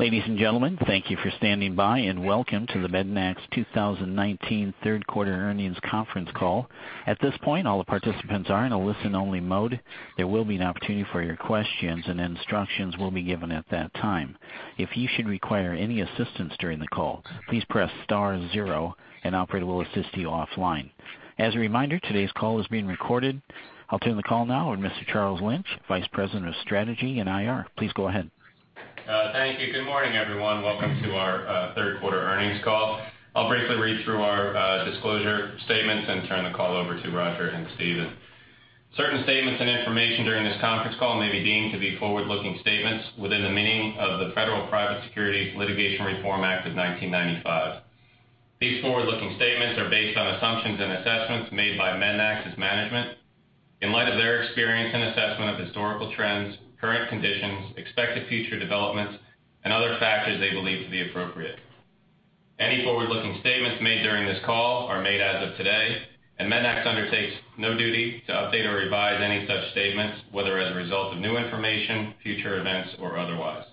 Ladies and gentlemen, thank you for standing by. Welcome to the Mednax 2019 third quarter earnings conference call. At this point, all the participants are in a listen-only mode. There will be an opportunity for your questions. Instructions will be given at that time. If you should require any assistance during the call, please press star zero, an operator will assist you offline. As a reminder, today's call is being recorded. I'll turn the call now with Mr. Charles Lynch, Vice President of Strategy and IR. Please go ahead. Thank you. Good morning, everyone. Welcome to our third quarter earnings call. I'll briefly read through our disclosure statements and turn the call over to Roger and Stephen. Certain statements and information during this conference call may be deemed to be forward-looking statements within the meaning of the Federal Private Securities Litigation Reform Act of 1995. These forward-looking statements are based on assumptions and assessments made by Mednax's management in light of their experience and assessment of historical trends, current conditions, expected future developments, and other factors they believe to be appropriate. Any forward-looking statements made during this call are made as of today, and Mednax undertakes no duty to update or revise any such statements, whether as a result of new information, future events, or otherwise.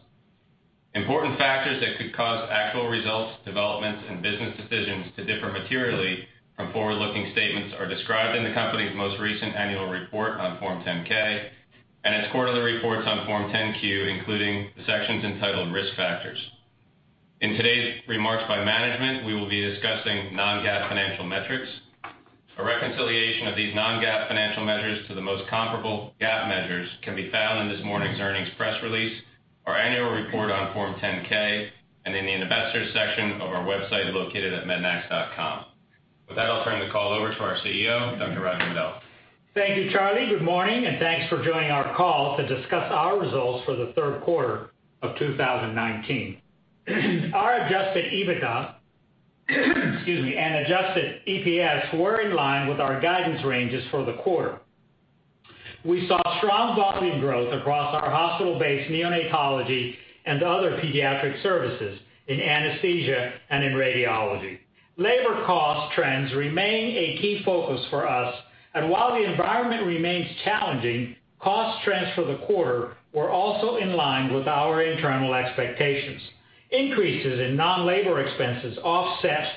Important factors that could cause actual results, developments, and business decisions to differ materially from forward-looking statements are described in the company's most recent annual report on Form 10-K and its quarterly reports on Form 10-Q, including the sections entitled Risk Factors. In today's remarks by management, we will be discussing non-GAAP financial metrics. A reconciliation of these non-GAAP financial measures to the most comparable GAAP measures can be found in this morning's earnings press release, our annual report on Form 10-K, and in the investors section of our website located at mednax.com. With that, I'll turn the call over to our CEO, Dr. Roger Medel. Thank you, Charlie. Good morning. Thanks for joining our call to discuss our results for the third quarter of 2019. Our Adjusted EBITDA and Adjusted EPS were in line with our guidance ranges for the quarter. We saw strong volume growth across our hospital-based neonatology and other pediatric services in anesthesia and in radiology. Labor cost trends remain a key focus for us, and while the environment remains challenging, cost trends for the quarter were also in line with our internal expectations. Increases in non-labor expenses offset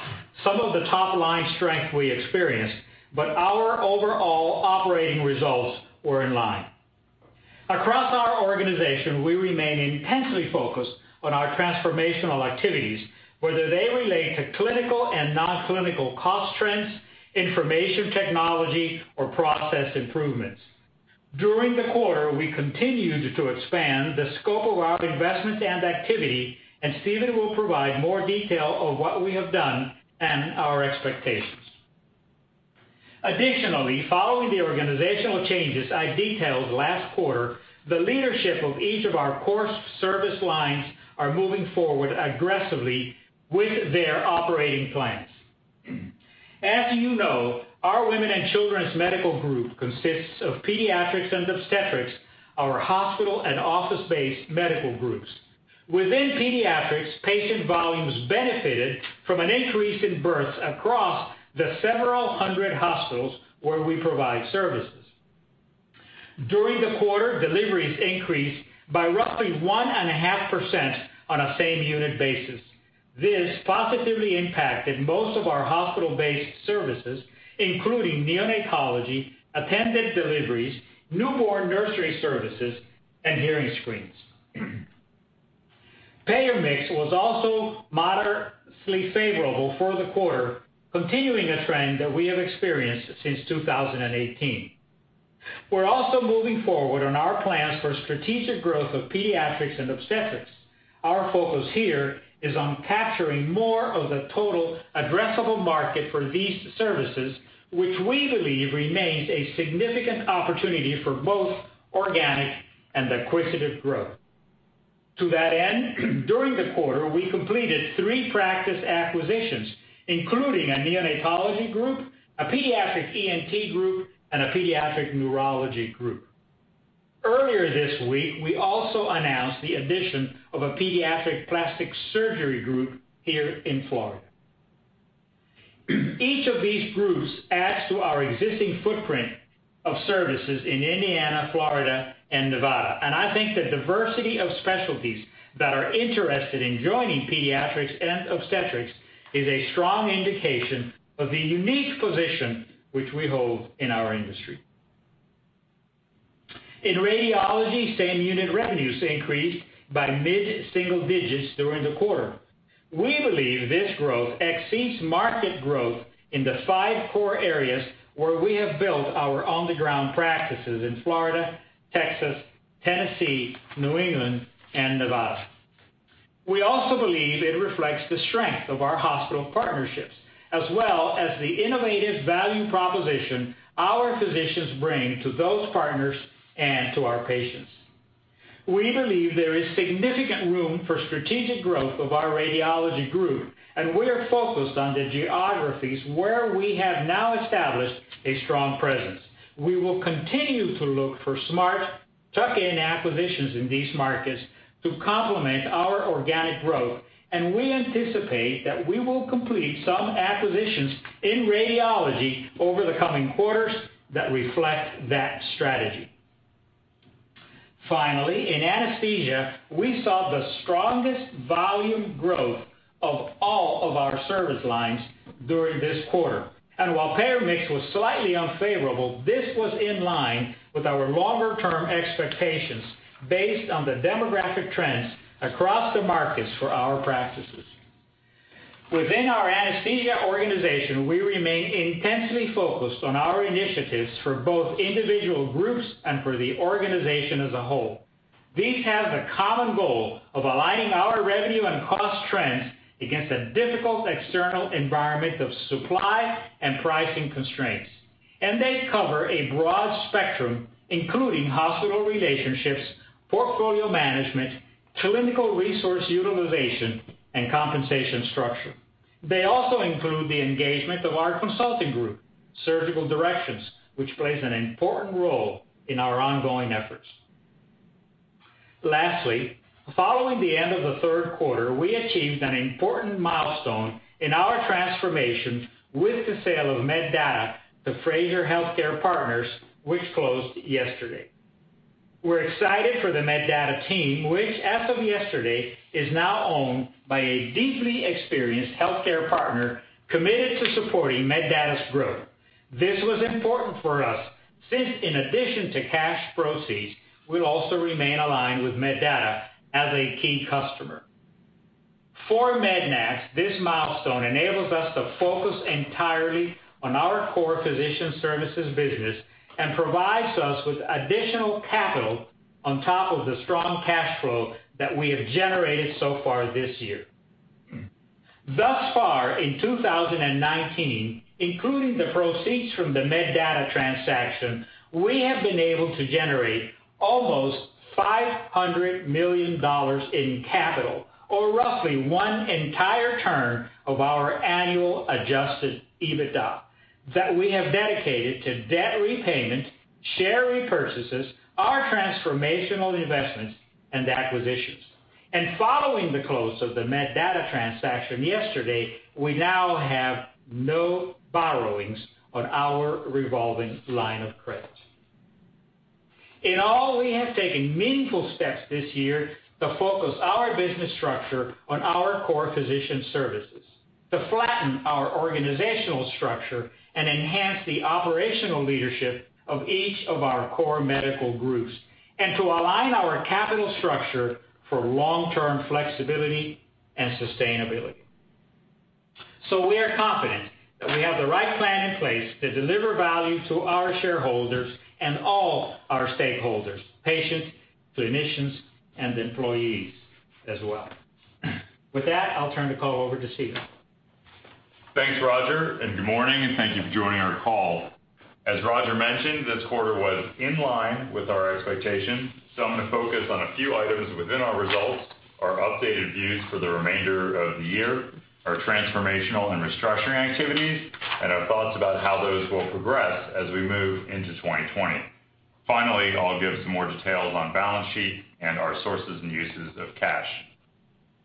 some of the top-line strength we experienced, but our overall operating results were in line. Across our organization, we remain intensely focused on our transformational activities, whether they relate to clinical and non-clinical cost trends, information technology, or process improvements. During the quarter, we continued to expand the scope of our investments and activity. Stephen will provide more detail on what we have done and our expectations. Following the organizational changes I detailed last quarter, the leadership of each of our core service lines are moving forward aggressively with their operating plans. As you know, our Women and Children's Medical Group consists of pediatrics and obstetrics, our hospital and office-based medical groups. Within pediatrics, patient volumes benefited from an increase in births across the several hundred hospitals where we provide services. During the quarter, deliveries increased by roughly 1.5% on a same-store basis. This positively impacted most of our hospital-based services, including neonatology, attended deliveries, newborn nursery services, and hearing screens. Payer mix was also moderately favorable for the quarter, continuing a trend that we have experienced since 2018. We're also moving forward on our plans for strategic growth of pediatrics and obstetrics. Our focus here is on capturing more of the total addressable market for these services, which we believe remains a significant opportunity for both organic and acquisitive growth. To that end, during the quarter, we completed three practice acquisitions, including a neonatology group, a pediatric ENT group, and a pediatric neurology group. Earlier this week, we also announced the addition of a pediatric plastic surgery group here in Florida. Each of these groups adds to our existing footprint of services in Indiana, Florida, and Nevada, and I think the diversity of specialties that are interested in joining pediatrics and obstetrics is a strong indication of the unique position which we hold in our industry. In radiology, same-store revenues increased by mid-single digits during the quarter. We believe this growth exceeds market growth in the five core areas where we have built our on-the-ground practices in Florida, Texas, Tennessee, New England, and Nevada. We also believe it reflects the strength of our hospital partnerships, as well as the innovative value proposition our physicians bring to those partners and to our patients. We believe there is significant room for strategic growth of our radiology group, and we are focused on the geographies where we have now established a strong presence. We will continue to look for smart, tuck-in acquisitions in these markets to complement our organic growth, and we anticipate that we will complete some acquisitions in radiology over the coming quarters that reflect that strategy. Finally, in anesthesia, we saw the strongest volume growth of all of our service lines during this quarter. While payer mix was slightly unfavorable, this was in line with our longer-term expectations based on the demographic trends across the markets for our practices. Within our anesthesia organization, we remain intensely focused on our initiatives for both individual groups and for the organization as a whole. These have the common goal of aligning our revenue and cost trends against a difficult external environment of supply and pricing constraints. They cover a broad spectrum, including hospital relationships, portfolio management, clinical resource utilization, and compensation structure. They also include the engagement of our consulting group, Surgical Directions, which plays an important role in our ongoing efforts. Lastly, following the end of the third quarter, we achieved an important milestone in our transformation with the sale of MedData to Frazier Healthcare Partners, which closed yesterday. We're excited for the MedData team, which as of yesterday, is now owned by a deeply experienced healthcare partner committed to supporting MedData's growth. This was important for us since in addition to cash proceeds, we'll also remain aligned with MedData as a key customer. For Mednax, this milestone enables us to focus entirely on our core physician services business and provides us with additional capital on top of the strong cash flow that we have generated so far this year. Thus far in 2019, including the proceeds from the MedData transaction, we have been able to generate almost $500 million in capital, or roughly one entire turn of our annual Adjusted EBITDA, that we have dedicated to debt repayment, share repurchases, our transformational investments, and acquisitions. Following the close of the MedData transaction yesterday, we now have no borrowings on our revolving line of credit. In all, we have taken meaningful steps this year to focus our business structure on our core physician services, to flatten our organizational structure and enhance the operational leadership of each of our core medical groups, and to align our capital structure for long-term flexibility and sustainability. We are confident that we have the right plan in place to deliver value to our shareholders and all our stakeholders: patients, clinicians, and employees as well. With that, I'll turn the call over to Stephen. Thanks, Roger, and good morning and thank you for joining our call. As Roger mentioned, this quarter was in line with our expectations, so I'm going to focus on a few items within our results, our updated views for the remainder of the year, our transformational and restructuring activities, and our thoughts about how those will progress as we move into 2020. Finally, I'll give some more details on balance sheet and our sources and uses of cash.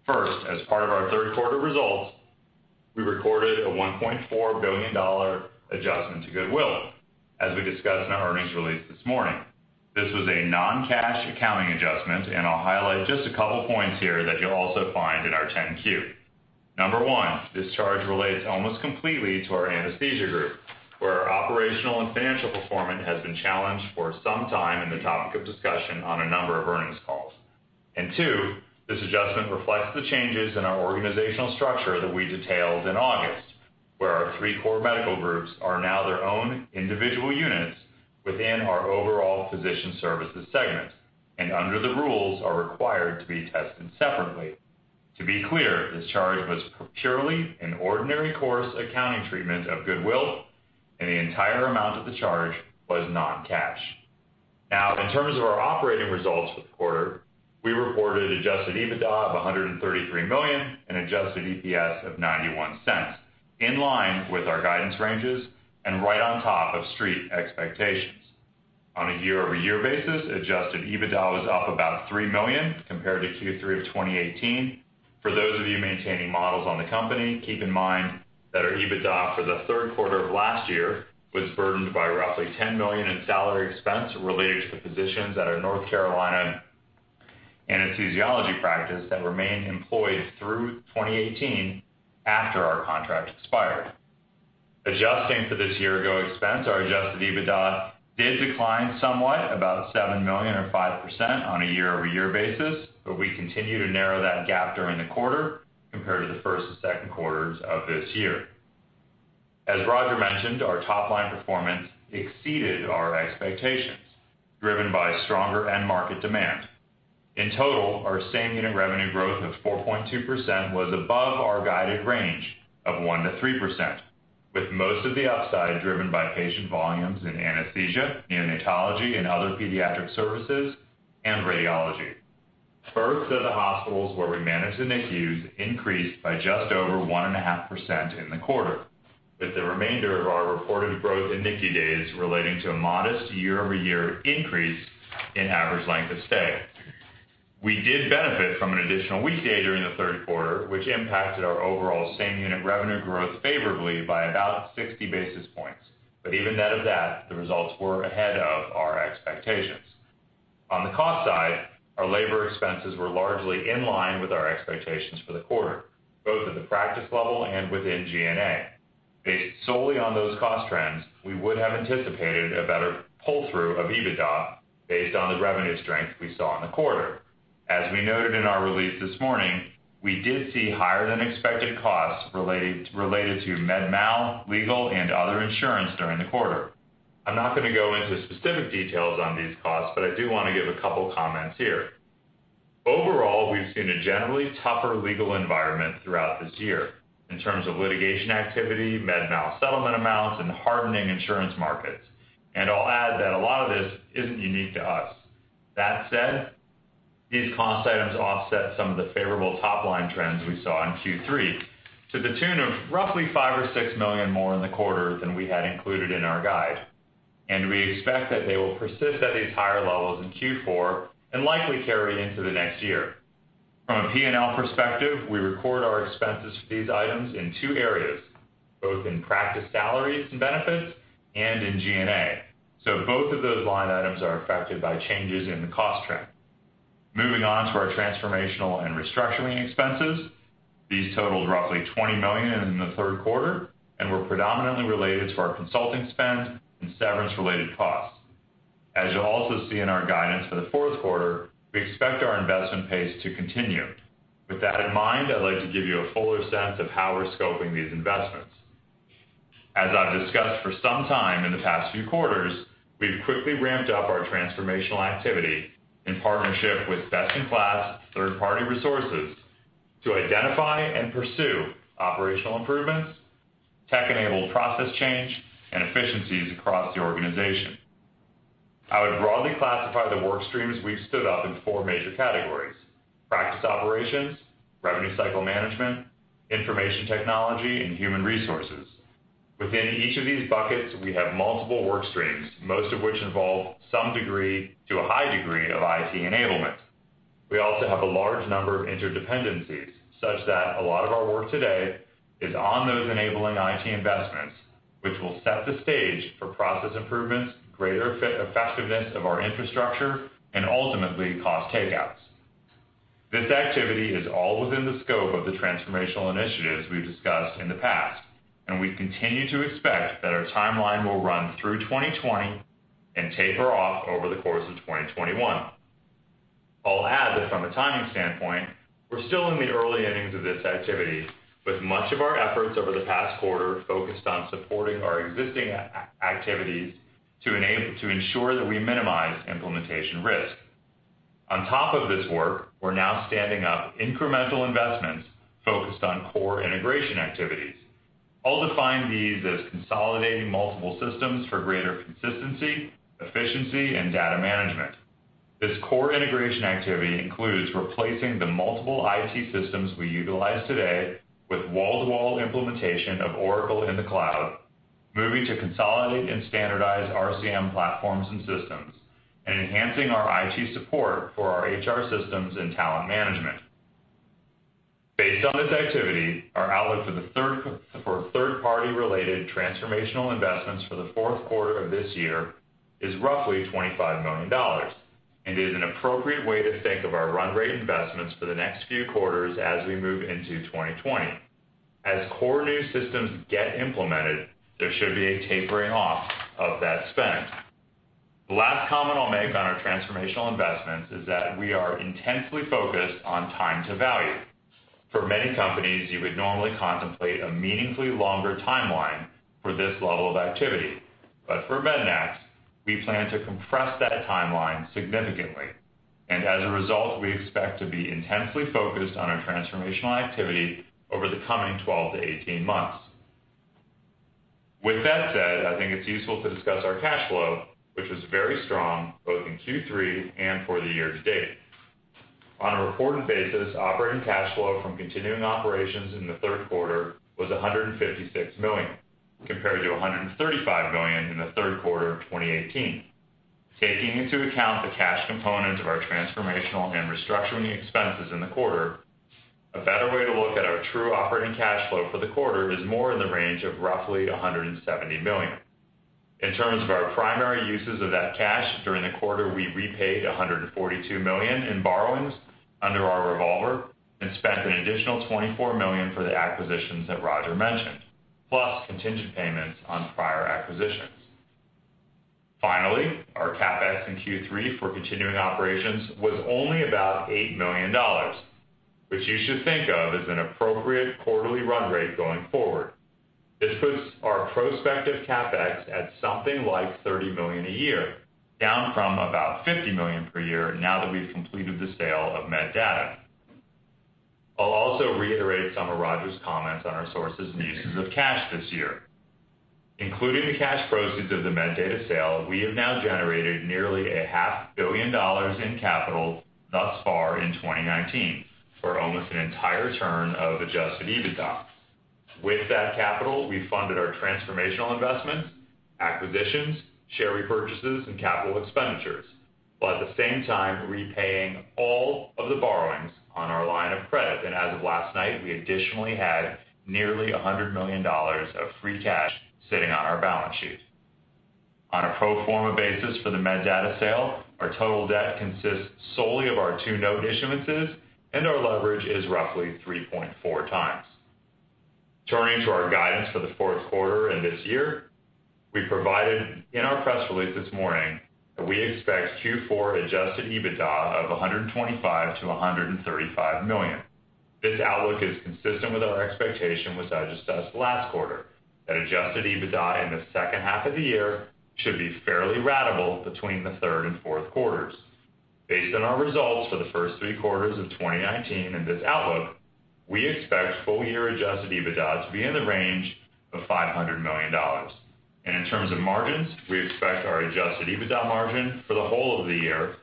First, as part of our third quarter results, we recorded a $1.4 billion adjustment to goodwill as we discussed in our earnings release this morning. This was a non-cash accounting adjustment, and I'll highlight just a couple points here that you'll also find in our 10-Q. Number one, this charge relates almost completely to our anesthesia group, where our operational and financial performance has been challenged for some time and a topic of discussion on a number of earnings calls. Two, this adjustment reflects the changes in our organizational structure that we detailed in August, where our three core medical groups are now their own individual units within our overall physician services segment and under the rules are required to be tested separately. To be clear, this charge was purely an ordinary course accounting treatment of goodwill, and the entire amount of the charge was non-cash. In terms of our operating results for the quarter, we reported Adjusted EBITDA of $133 million and Adjusted EPS of $0.91, in line with our guidance ranges and right on top of street expectations. On a year-over-year basis, Adjusted EBITDA was up about $3 million compared to Q3 of 2018. For those of you maintaining models on the company, keep in mind that our EBITDA for the third quarter of last year was burdened by roughly $10 million in salary expense related to the physicians at our North Carolina anesthesiology practice that remained employed through 2018 after our contract expired. Adjusting for this year-ago expense, our Adjusted EBITDA did decline somewhat, about $7 million or 5% on a year-over-year basis, but we continue to narrow that gap during the quarter compared to the first and second quarters of this year. As Roger mentioned, our top-line performance exceeded our expectations, driven by stronger end market demand. In total, our same-unit revenue growth of 4.2% was above our guided range of 1%-3%, with most of the upside driven by patient volumes in anesthesia, neonatology and other pediatric services, and radiology. Births at the hospitals where we manage the NICUs increased by just over 1.5% in the quarter, with the remainder of our reported growth in NICU days relating to a modest year-over-year increase in average length of stay. We did benefit from an additional weekday during the third quarter, which impacted our overall same-unit revenue growth favorably by about 60 basis points. Even net of that, the results were ahead of our expectations. On the cost side, our labor expenses were largely in line with our expectations for the quarter, both at the practice level and within G&A. Based solely on those cost trends, we would have anticipated a better pull-through of EBITDA based on the revenue strength we saw in the quarter. As we noted in our release this morning, we did see higher than expected costs related to MedMal, legal, and other insurance during the quarter. I'm not going to go into specific details on these costs, I do want to give a couple of comments here. Overall, we've seen a generally tougher legal environment throughout this year in terms of litigation activity, MedMal settlement amounts, and hardening insurance markets. I'll add that a lot of this isn't unique to us. That said, these cost items offset some of the favorable top-line trends we saw in Q3 to the tune of roughly $5 million or $6 million more in the quarter than we had included in our guide. We expect that they will persist at these higher levels in Q4 and likely carry into the next year. From a P&L perspective, we record our expenses for these items in two areas, both in practice salaries and benefits and in G&A. Both of those line items are affected by changes in the cost trend. Moving on to our transformational and restructuring expenses. These totaled roughly $20 million in the third quarter and were predominantly related to our consulting spend and severance-related costs. As you'll also see in our guidance for the fourth quarter, we expect our investment pace to continue. With that in mind, I'd like to give you a fuller sense of how we're scoping these investments. As I've discussed for some time in the past few quarters, we've quickly ramped up our transformational activity in partnership with best-in-class third-party resources to identify and pursue operational improvements, tech-enabled process change, and efficiencies across the organization. I would broadly classify the work streams we've stood up in four major categories: practice operations, revenue cycle management, information technology, and human resources. Within each of these buckets, we have multiple work streams, most of which involve some degree to a high degree of IT enablement. We also have a large number of interdependencies, such that a lot of our work today is on those enabling IT investments, which will set the stage for process improvements, greater effectiveness of our infrastructure, and ultimately, cost takeouts. This activity is all within the scope of the transformational initiatives we've discussed in the past, and we continue to expect that our timeline will run through 2020 and taper off over the course of 2021. I'll add that from a timing standpoint, we're still in the early innings of this activity, with much of our efforts over the past quarter focused on supporting our existing activities to ensure that we minimize implementation risk. On top of this work, we're now standing up incremental investments focused on core integration activities. I'll define these as consolidating multiple systems for greater consistency, efficiency, and data management. This core integration activity includes replacing the multiple IT systems we utilize today with wall-to-wall implementation of Oracle in the cloud, moving to consolidate and standardize RCM platforms and systems, and enhancing our IT support for our HR systems and talent management. Based on this activity, our outlook for third-party related transformational investments for the fourth quarter of this year is roughly $25 million. It is an appropriate way to think of our run rate investments for the next few quarters as we move into 2020. As core new systems get implemented, there should be a tapering off of that spend. The last comment I'll make on our transformational investments is that we are intensely focused on time to value. For many companies, you would normally contemplate a meaningfully longer timeline for this level of activity. For Mednax, we plan to compress that timeline significantly. As a result, we expect to be intensely focused on our transformational activity over the coming 12-18 months. With that said, I think it's useful to discuss our cash flow, which was very strong both in Q3 and for the year to date. On a reported basis, operating cash flow from continuing operations in the third quarter was $156 million, compared to $135 million in the third quarter of 2018. Taking into account the cash component of our transformational and restructuring expenses in the quarter, a better way to look at our true operating cash flow for the quarter is more in the range of roughly $170 million. In terms of our primary uses of that cash during the quarter, we repaid $142 million in borrowings under our revolver and spent an additional $24 million for the acquisitions that Roger mentioned, plus contingent payments on prior acquisitions. Finally, our CapEx in Q3 for continuing operations was only about $8 million, which you should think of as an appropriate quarterly run rate going forward. This puts our prospective CapEx at something like $30 million a year, down from about $50 million per year now that we've completed the sale of MedData. I'll also reiterate some of Roger's comments on our sources and uses of cash this year. Including the cash proceeds of the MedData sale, we have now generated nearly a half billion dollars in capital thus far in 2019 for almost an entire turn of Adjusted EBITDA. With that capital, we funded our transformational investments, acquisitions, share repurchases, and capital expenditures, while at the same time repaying all of the borrowings on our line of credit. As of last night, we additionally had nearly $100 million of free cash sitting on our balance sheet. On a pro forma basis for the MedData sale, our total debt consists solely of our two note issuances, and our leverage is roughly 3.4 times. Turning to our guidance for the fourth quarter and this year, we provided in our press release this morning that we expect Q4 Adjusted EBITDA of $125 million to $135 million. This outlook is consistent with our expectation, which I just discussed last quarter, that Adjusted EBITDA in the second half of the year should be fairly ratable between the third and fourth quarters. Based on our results for the first three quarters of 2019 and this outlook, we expect full-year Adjusted EBITDA to be in the range of $500 million. In terms of margins, we expect our Adjusted EBITDA margin for the whole of the year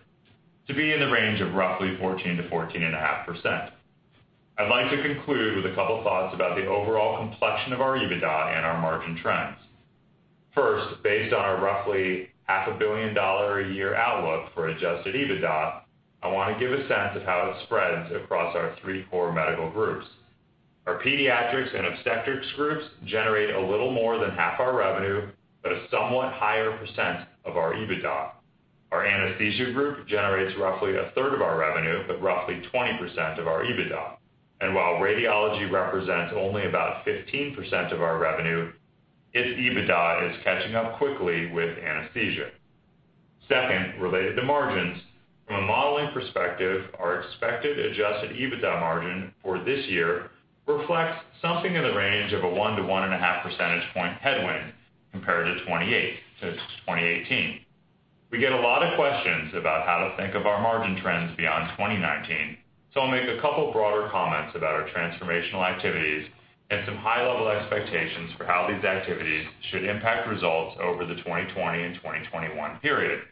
to be in the range of roughly 14%-14.5%. I'd like to conclude with a couple thoughts about the overall complexion of our EBITDA and our margin trends. First, based on our roughly half a billion dollar a year outlook for Adjusted EBITDA, I want to give a sense of how it spreads across our three core medical groups. Our pediatrics and obstetrics groups generate a little more than half our revenue, but a somewhat higher % of our EBITDA. Our anesthesia group generates roughly a third of our revenue, but roughly 20% of our EBITDA. While radiology represents only about 15% of our revenue, its EBITDA is catching up quickly with anesthesia. Second, related to margins, from a modeling perspective, our expected Adjusted EBITDA margin for this year reflects something in the range of a 1%-1.5 percentage point headwind compared to 2018. We get a lot of questions about how to think of our margin trends beyond 2019. I'll make a couple broader comments about our transformational activities and some high-level expectations for how these activities should impact results over the 2020 and 2021 period.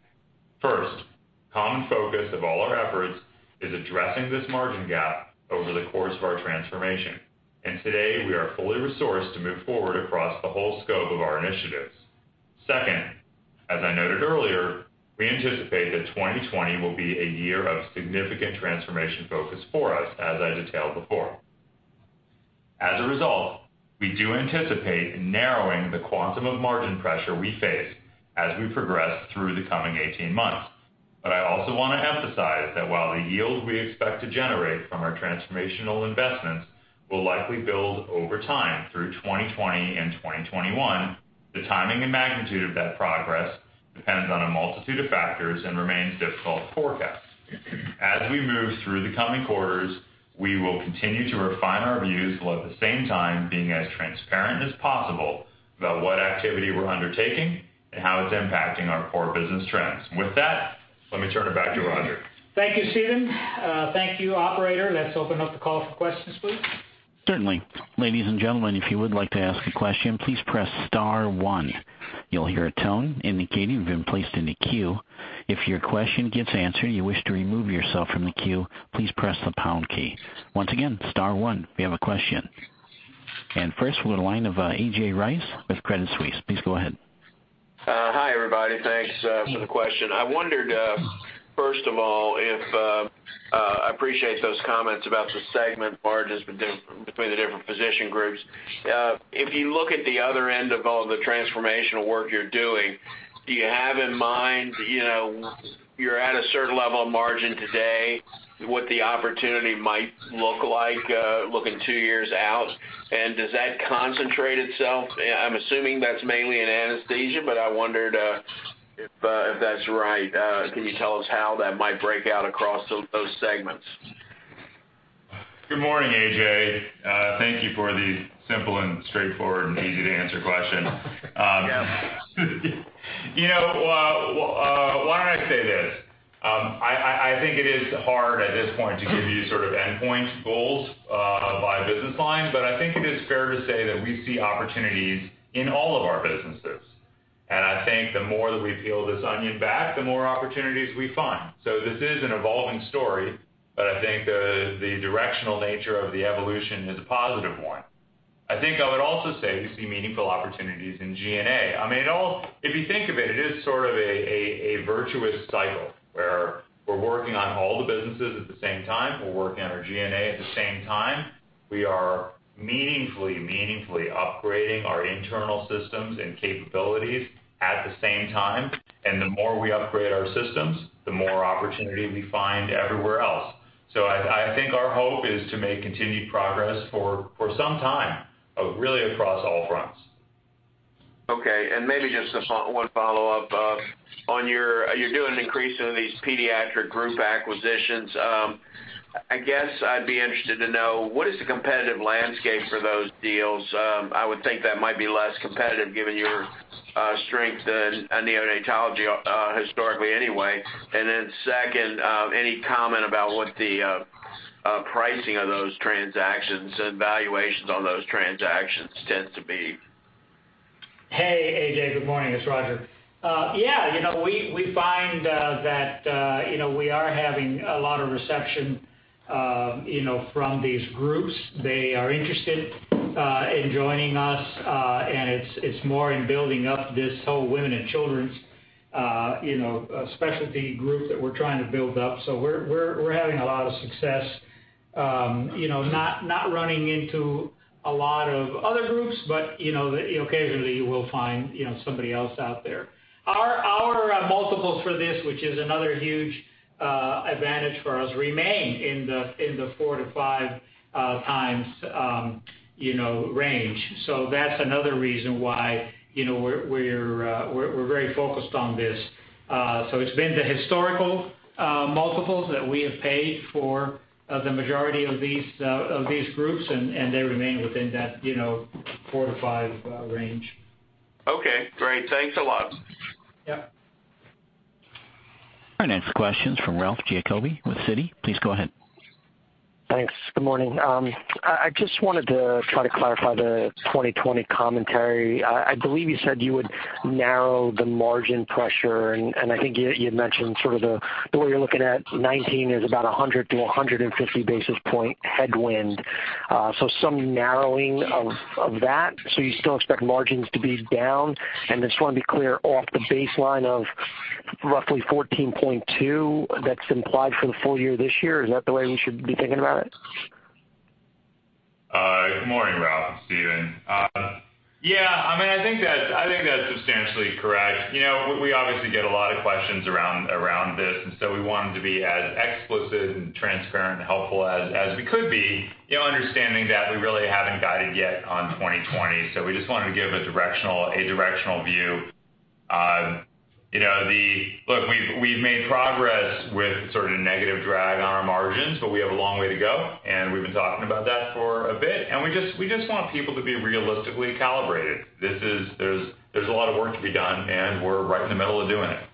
First, common focus of all our efforts is addressing this margin gap over the course of our transformation. Today, we are fully resourced to move forward across the whole scope of our initiatives. Second, as I noted earlier, we anticipate that 2020 will be a year of significant transformation focus for us, as I detailed before. As a result, we do anticipate narrowing the quantum of margin pressure we face as we progress through the coming 18 months. I also want to emphasize that while the yield we expect to generate from our transformational investments will likely build over time through 2020 and 2021, the timing and magnitude of that progress depends on a multitude of factors and remains difficult to forecast. As we move through the coming quarters, we will continue to refine our views while at the same time being as transparent as possible about what activity we're undertaking and how it's impacting our core business trends. With that, let me turn it back to Roger. Thank you, Stephen. Thank you, operator. Let's open up the call for questions, please. Certainly. Ladies and gentlemen, if you would like to ask a question, please press star 1. You'll hear a tone indicating you've been placed in the queue. If your question gets answered and you wish to remove yourself from the queue, please press the pound key. Once again, star 1 if you have a question. First, we'll go to the line of A.J. Rice with Credit Suisse. Please go ahead. Hi, everybody. Thanks for the question. I wondered, first of all, I appreciate those comments about the segment margins between the different physician groups. If you look at the other end of all the transformational work you're doing, do you have in mind, you're at a certain level of margin today, what the opportunity might look like looking two years out? Does that concentrate itself? I'm assuming that's mainly in anesthesia, but I wondered if that's right. Can you tell us how that might break out across those segments? Good morning, A.J. Thank you for the simple and straightforward and easy-to-answer question. Yeah. Why don't I say this? I think it is hard at this point to give you endpoint goals by business lines, but I think it is fair to say that we see opportunities in all of our businesses. I think the more that we peel this onion back, the more opportunities we find. This is an evolving story, but I think the directional nature of the evolution is a positive one. I think I would also say we see meaningful opportunities in G&A. If you think of it is sort of a virtuous cycle where we're working on all the businesses at the same time. We're working on our G&A at the same time. We are meaningfully upgrading our internal systems and capabilities at the same time. The more we upgrade our systems, the more opportunity we find everywhere else. I think our hope is to make continued progress for some time, really across all fronts. Okay, maybe just one follow-up. You're doing an increase in these pediatric group acquisitions. I guess I'd be interested to know, what is the competitive landscape for those deals? I would think that might be less competitive given your strength in neonatology historically anyway. Second, any comment about what the pricing of those transactions and valuations on those transactions tend to be? Hey, A.J., good morning. It's Roger. Yeah. We find that we are having a lot of reception from these groups. They are interested in joining us, and it's more in building up this whole Women and Children's Medical Group that we're trying to build up. We're having a lot of success. Not running into a lot of other groups, but occasionally, we'll find somebody else out there. Our multiples for this, which is another huge advantage for us, remain in the four to five times range. That's another reason why we're very focused on this. It's been the historical multiples that we have paid for the majority of these groups, and they remain within that four to five range. Okay, great. Thanks a lot. Yeah. Our next question's from Ralph Giacobbe with Citi. Please go ahead. Thanks. Good morning. I just wanted to try to clarify the 2020 commentary. I believe you said you would narrow the margin pressure. I think you had mentioned sort of the way you're looking at 2019 is about 100 to 150 basis point headwind. Some narrowing of that. You still expect margins to be down, and I just want to be clear, off the baseline of roughly 14.2% that's implied for the full year this year. Is that the way we should be thinking about it? Good morning, Ralph. It's Stephen. Yeah, I think that's substantially correct. We obviously get a lot of questions around this, and so we wanted to be as explicit and transparent and helpful as we could be, understanding that we really haven't guided yet on 2020. We just wanted to give a directional view. Look, we've made progress with sort of a negative drag on our margins, but we have a long way to go, and we've been talking about that for a bit, and we just want people to be realistically calibrated. There's a lot of work to be done, and we're right in the middle of doing it.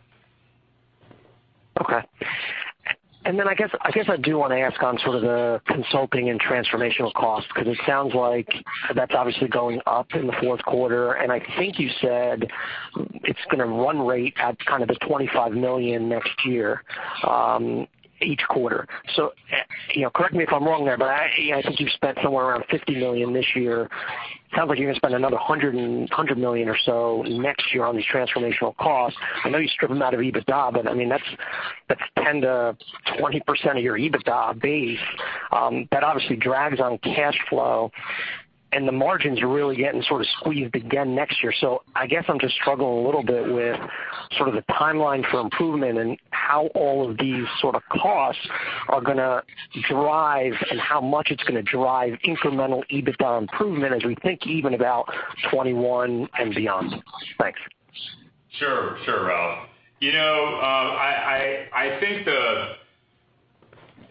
Okay. I guess I do want to ask on sort of the consulting and transformational cost, because it sounds like that's obviously going up in the fourth quarter, and I think you said it's going to run rate at kind of the $25 million next year, each quarter. Correct me if I'm wrong there, but I think you've spent somewhere around $50 million this year. Sounds like you're going to spend another $100 million or so next year on these transformational costs. I know you strip them out of EBITDA, but that's 10%-20% of your EBITDA base. That obviously drags on cash flow, and the margins are really getting sort of squeezed again next year. I guess I'm just struggling a little bit with sort of the timeline for improvement and how all of these sort of costs are going to drive and how much it's going to drive incremental EBITDA improvement as we think even about 2021 and beyond. Thanks. Sure, Ralph. I think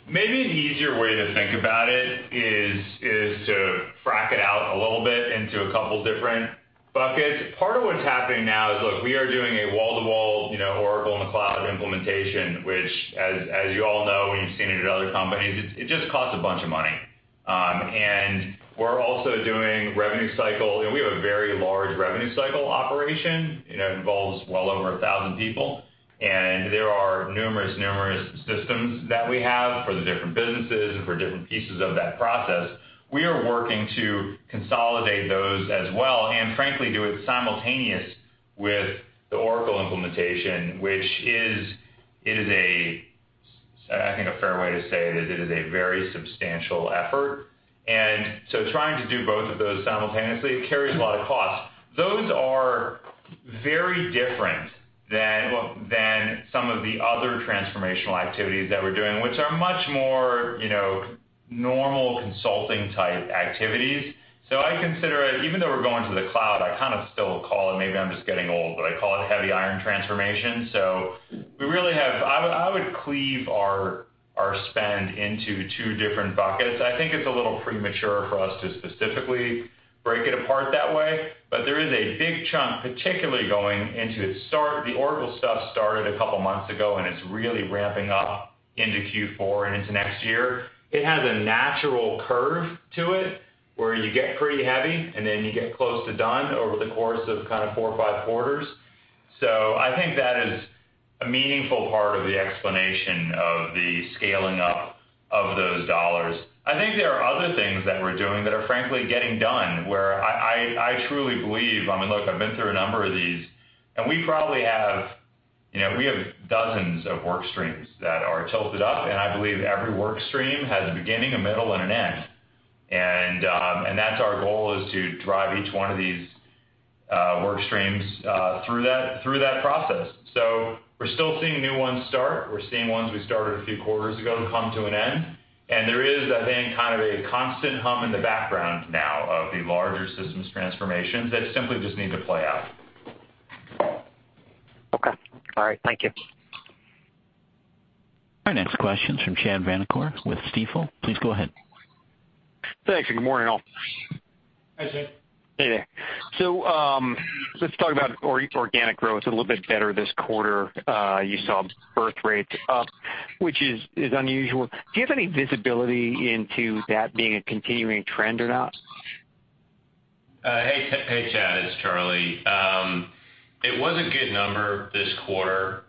maybe an easier way to think about it is to break it out a little bit into a couple different buckets. Part of what's happening now is, look, we are doing a wall-to-wall Oracle in the cloud implementation, which as you all know, when you've seen it at other companies, it just costs a bunch of money. We're also doing revenue cycle, and we have a very large revenue cycle operation. It involves well over 1,000 people, and there are numerous systems that we have for the different businesses and for different pieces of that process. We are working to consolidate those as well, and frankly, do it simultaneous with the Oracle implementation, which is, I think a fair way to say it, is a very substantial effort. Trying to do both of those simultaneously, it carries a lot of costs. Those are very different than some of the other transformational activities that we're doing, which are much more normal consulting-type activities. I consider it, even though we're going to the cloud, I kind of still call it, maybe I'm just getting old, but I call it heavy iron transformation. I would cleave our spend into two different buckets. I think it's a little premature for us to specifically break it apart that way. There is a big chunk, particularly going into the start. The Oracle stuff started a couple of months ago, and it's really ramping up into Q4 and into next year. It has a natural curve to it where you get pretty heavy, and then you get close to done over the course of kind of four or five quarters. I think that is a meaningful part of the explanation of the scaling up of those dollars. I think there are other things that we're doing that are frankly getting done, where I truly believe, look, I've been through a number of these, and we have dozens of work streams that are tilted up, and I believe every work stream has a beginning, a middle, and an end. That's our goal is to drive each one of these work streams through that process. We're still seeing new ones start. We're seeing ones we started a few quarters ago come to an end, and there is, I think, kind of a constant hum in the background now of the larger systems transformations that simply just need to play out. Okay. All right. Thank you. Our next question's from Chad Vanacore with Stifel. Please go ahead. Thanks, good morning, all. Hi, Chad. Hey there. Let's talk about organic growth. A little bit better this quarter. You saw birthrates up, which is unusual. Do you have any visibility into that being a continuing trend or not? Hey, Chad. It's Charlie. It was a good number this quarter,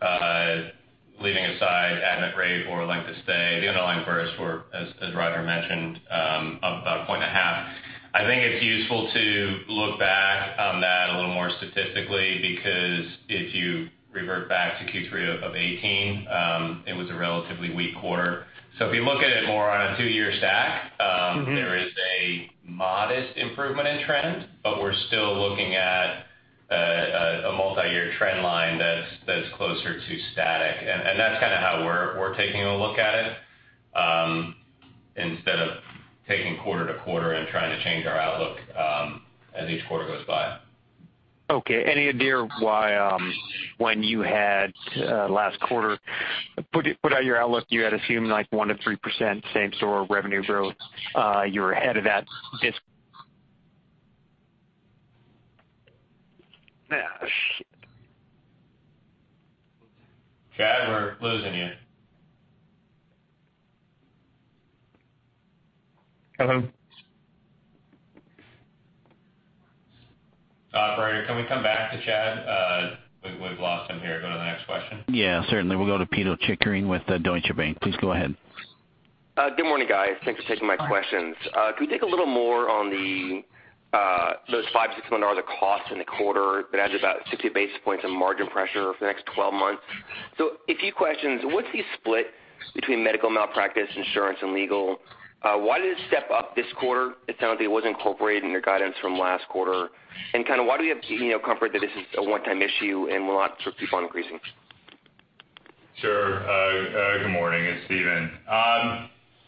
leaving aside admit rate or length of stay. The underlying bursts were, as Roger mentioned, up about a point and a half. I think it's useful to look back on that a little more statistically, because if you revert back to Q3 of 2018, it was a relatively weak quarter. If you look at it more on a two-year stack. There is a modest improvement in trend, but we're still looking at a multi-year trend line that's closer to static, and that's how we're taking a look at it, instead of taking quarter to quarter and trying to change our outlook as each quarter goes by. Okay. Any idea why when you had last quarter, put out your outlook, you had assumed like 1% to 3% same-store revenue growth? You were ahead of that this shit. Chad, we're losing you. Hello? Roger, can we come back to Chad? We've lost him here. Go to the next question. Yeah, certainly. We'll go to Pito Chickering with Deutsche Bank. Please go ahead. Good morning, guys. Thanks for taking my questions. Could we take a little more on those $5 million-$6 million of costs in the quarter that adds about 60 basis points of margin pressure for the next 12 months? A few questions. What's the split between medical malpractice insurance and legal? Why did it step up this quarter? It sounds like it was incorporated in your guidance from last quarter. Why do we have comfort that this is a one-time issue and will not keep on increasing? Sure. Good morning. It's Stephen.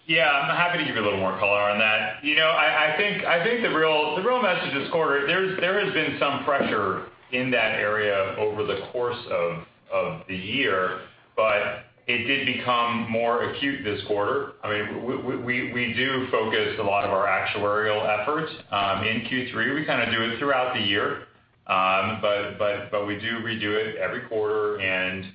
Yeah, I'm happy to give you a little more color on that. I think the real message this quarter, there has been some pressure in that area over the course of the year, but it did become more acute this quarter. We do focus a lot of our actuarial efforts in Q3. We kind of do it throughout the year. We do redo it every quarter, and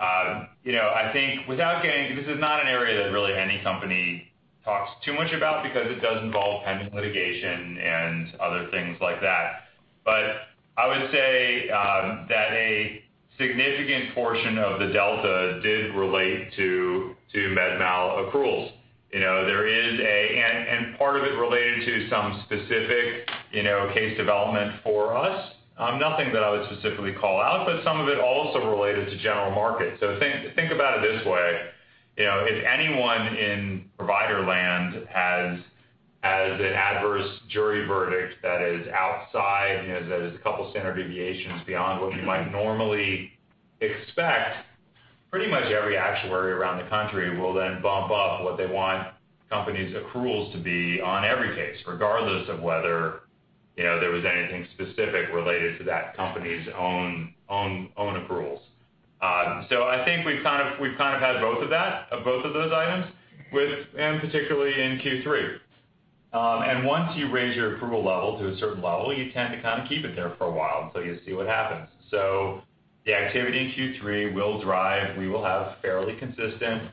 I think, this is not an area that really any company talks too much about because it does involve pending litigation and other things like that. I would say that a significant portion of the delta did relate to med mal approvals. Part of it related to some specific case development for us. Nothing that I would specifically call out, but some of it also related to general market. Think about it this way. If anyone in provider land has an adverse jury verdict that is outside, that is a couple standard deviations beyond what you might normally expect, pretty much every actuary around the country will then bump up what they want companies' accruals to be on every case, regardless of whether there was anything specific related to that company's own accruals. I think we've had both of those items, and particularly in Q3. Once you raise your accrual level to a certain level, you tend to keep it there for a while until you see what happens. The activity in Q3 will drive, we will have fairly consistent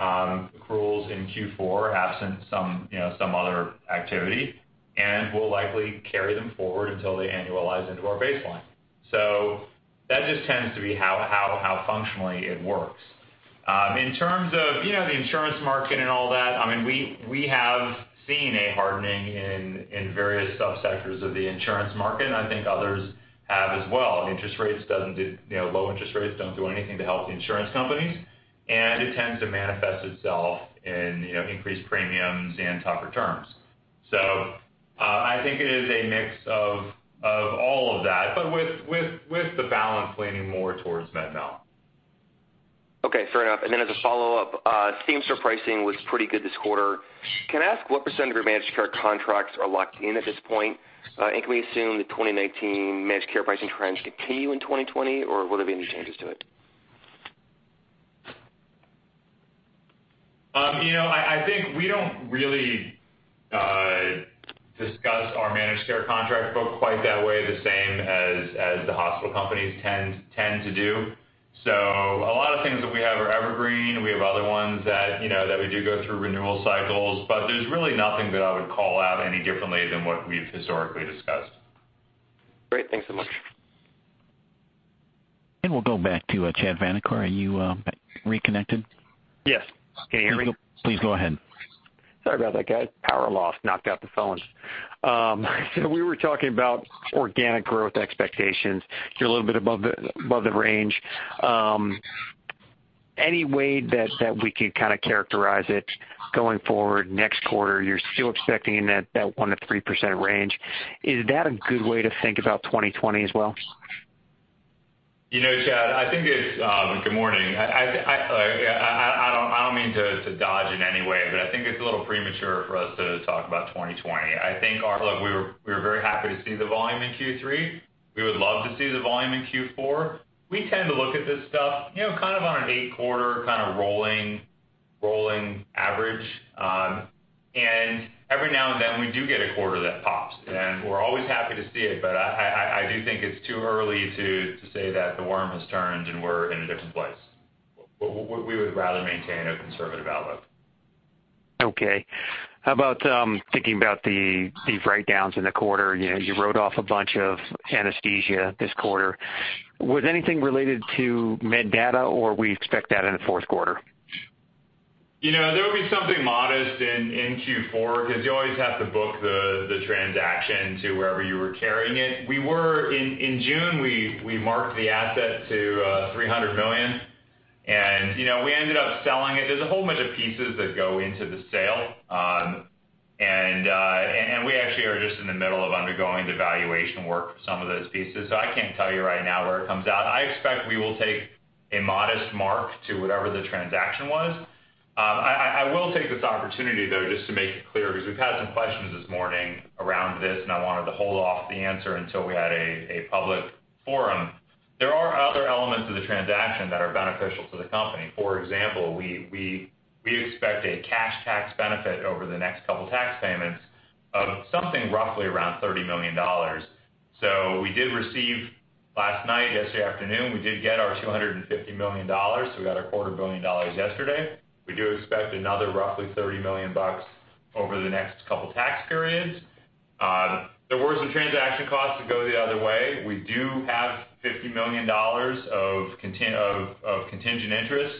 accruals in Q4, absent some other activity, and we'll likely carry them forward until they annualize into our baseline. That just tends to be how functionally it works. In terms of the insurance market and all that, we have seen a hardening in various sub-sectors of the insurance market, and I think others have as well. Low interest rates don't do anything to help the insurance companies, and it tends to manifest itself in increased premiums and tougher terms. I think it is a mix of all of that, but with the balance leaning more towards med mal. Okay. Fair enough. As a follow-up, same-store pricing was pretty good this quarter. Can I ask what % of your managed care contracts are locked in at this point? Can we assume the 2019 managed care pricing trends continue in 2020, or will there be any changes to it? I think we don't really discuss our managed care contract book quite that way, the same as the hospital companies tend to do. A lot of things that we have are evergreen. We have other ones that we do go through renewal cycles. There's really nothing that I would call out any differently than what we've historically discussed. Great. Thanks so much. We'll go back to Chad Vanacore. Are you reconnected? Yes. Can you hear me? Please go ahead. Sorry about that, guys. Power loss knocked out the phones. We were talking about organic growth expectations. You're a little bit above the range. Any way that we could characterize it going forward next quarter? You're still expecting in that 1% to 3% range. Is that a good way to think about 2020 as well? Good morning. I don't mean to dodge in any way, but I think it's a little premature for us to talk about 2020. I think we were very happy to see the volume in Q3. We would love to see the volume in Q4. We tend to look at this stuff on an eight-quarter rolling average. Every now and then, we do get a quarter that pops, and we're always happy to see it, but I do think it's too early to say that the worm has turned, and we're in a different place. We would rather maintain a conservative outlook. Okay. How about thinking about the write-downs in the quarter? You wrote off a bunch of anesthesia this quarter. Was anything related to MedData, or we expect that in the fourth quarter? There will be something modest in Q4, because you always have to book the transaction to wherever you were carrying it. In June, we marked the asset to $300 million, and we ended up selling it. There's a whole bunch of pieces that go into the sale, and we actually are just in the middle of undergoing the valuation work for some of those pieces, so I can't tell you right now where it comes out. I expect we will take a modest mark to whatever the transaction was. I will take this opportunity, though, just to make it clear, because we've had some questions this morning around this, and I wanted to hold off the answer until we had a public forum. There are other elements of the transaction that are beneficial to the company. For example, we expect a cash tax benefit over the next couple tax payments of something roughly around $30 million. We did receive last night, yesterday afternoon, we did get our $250 million, we got our quarter billion dollars yesterday. We do expect another roughly $30 million over the next couple tax periods. There were some transaction costs that go the other way. We do have $50 million of contingent interest,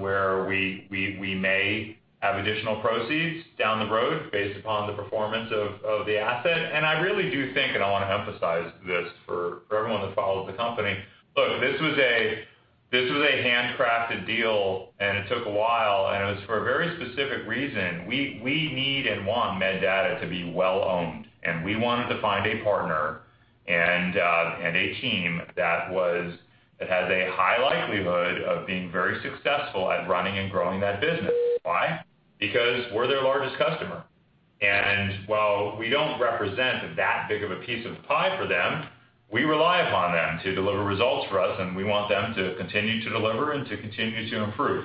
where we may have additional proceeds down the road based upon the performance of the asset. I really do think, and I want to emphasize this for everyone that follows the company. Look, this was a handcrafted deal, and it took a while, and it was for a very specific reason. We need and want MedData to be well-owned, and we wanted to find a partner and a team that has a high likelihood of being very successful at running and growing that business. Why? Because we're their largest customer, and while we don't represent that big of a piece of the pie for them, we rely upon them to deliver results for us, and we want them to continue to deliver and to continue to improve.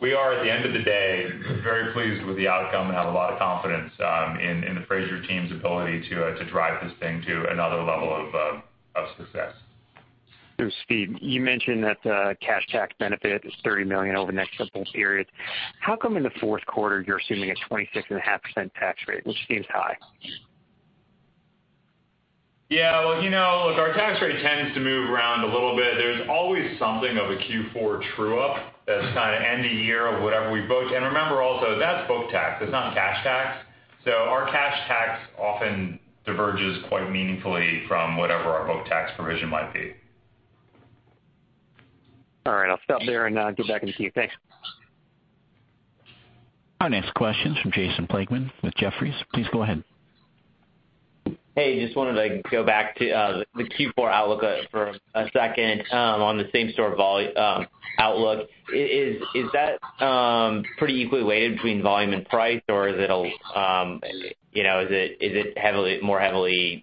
We are, at the end of the day, very pleased with the outcome and have a lot of confidence in the Frazier team's ability to drive this thing to another level of success. Steve, you mentioned that the cash tax benefit is $30 million over the next couple periods. How come in the fourth quarter, you're assuming a 26.5% tax rate, which seems high? Yeah. Look, our tax rate tends to move around a little bit. There's always something of a Q4 true-up that's end of year of whatever we booked. Remember also, that's book tax. That's not cash tax. Our cash tax often diverges quite meaningfully from whatever our book tax provision might be. All right. I'll stop there and get back in queue. Thanks. Our next question is from Jason Pitzl with Jefferies. Please go ahead. Hey, just wanted to go back to the Q4 outlook for a second. On the same-store outlook, is that pretty equally weighted between volume and price, or is it more heavily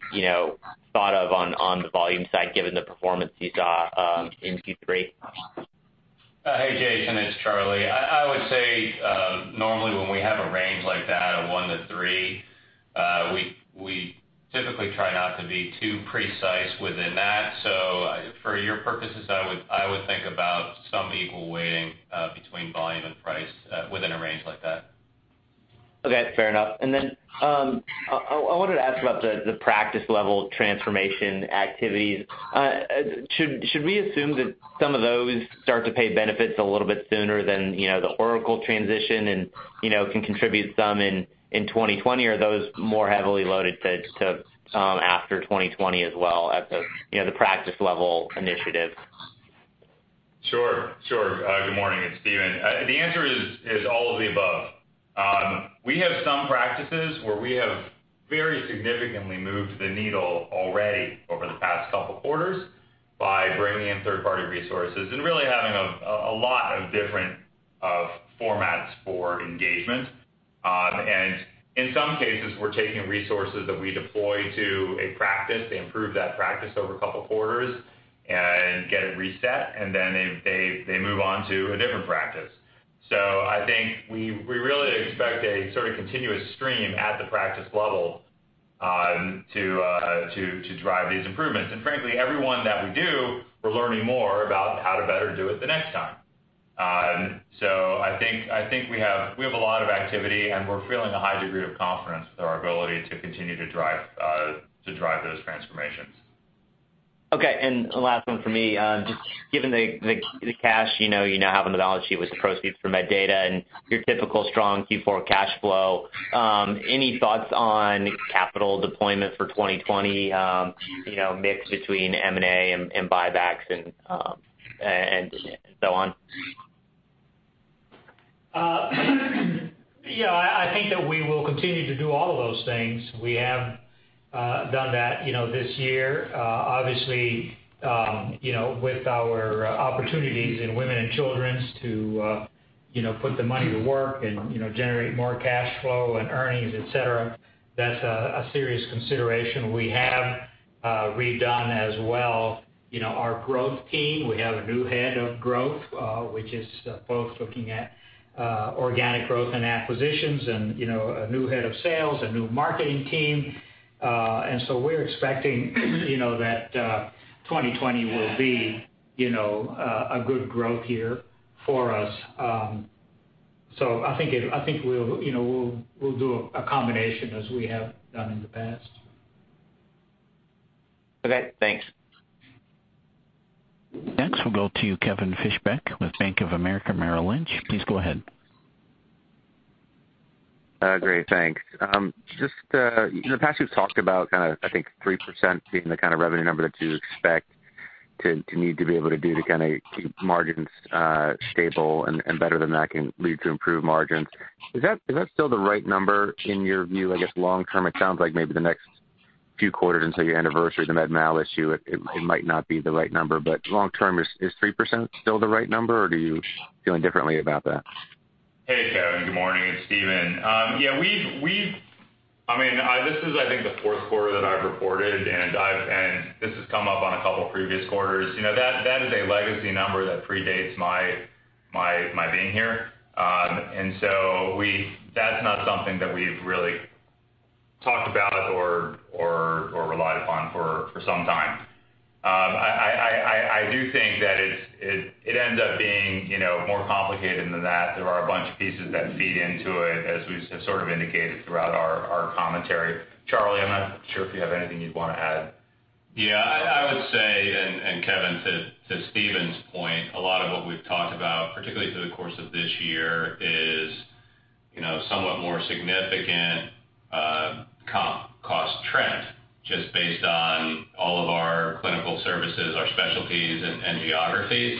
thought of on the volume side given the performance you saw in Q3? Hey, Jason. It's Charlie. I would say, normally when we have a range like that of one to three, we typically try not to be too precise within that. For your purposes, I would think about some equal weighting between volume and price within a range like that. Okay. Fair enough. I wanted to ask about the practice-level transformation activities. Should we assume that some of those start to pay benefits a little bit sooner than the Oracle transition and can contribute some in 2020? Or are those more heavily loaded to after 2020 as well at the practice level initiative? Sure. Good morning. It's Stephen. The answer is all of the above. We have some practices where we have very significantly moved the needle already over the past couple quarters by bringing in third-party resources and really having a lot of different formats for engagement. In some cases, we're taking resources that we deploy to a practice to improve that practice over a couple quarters and get it reset, and then they move on to a different practice. I think we really expect a sort of continuous stream at the practice level to drive these improvements. Frankly, every one that we do, we're learning more about how to better do it the next time. I think we have a lot of activity, and we're feeling a high degree of confidence with our ability to continue to drive those transformations. Okay. The last one for me. Just given the cash you now have on the balance sheet with the proceeds from MedData and your typical strong Q4 cash flow, any thoughts on capital deployment for 2020, mix between M&A and buybacks and so on? Yeah, I think that we will continue to do all of those things. We have done that this year. Obviously, with our opportunities in Women and Children's to put the money to work and generate more cash flow and earnings, et cetera, that's a serious consideration. We have redone as well our growth team. We have a new head of growth, which is both looking at organic growth and acquisitions, and a new head of sales, a new marketing team. We're expecting that 2020 will be a good growth year for us. I think we'll do a combination as we have done in the past. Okay, thanks. Next we'll go to Kevin Fischbeck with Bank of America Merrill Lynch. Please go ahead. Great, thanks. Just in the past, you've talked about I think 3% being the kind of revenue number that you expect to need to be able to do to keep margins stable. Better than that can lead to improved margins. Is that still the right number in your view? I guess long term, it sounds like maybe the next few quarters until your anniversary, the MedMal issue, it might not be the right number. Long term, is 3% still the right number or do you feel differently about that? Hey, Kevin. Good morning. It's Stephen. Yeah, this is I think the fourth quarter that I've reported, and this has come up on a couple of previous quarters. That is a legacy number that predates my being here. That's not something that we've really talked about or relied upon for some time. I do think that it ends up being more complicated than that. There are a bunch of pieces that feed into it, as we have indicated throughout our commentary. Charles, I'm not sure if you have anything you'd want to add. Yeah, I would say, Kevin, to Stephen's point, a lot of what we've talked about, particularly through the course of this year, is somewhat more significant comp cost trend, just based on all of our clinical services, our specialties and geographies.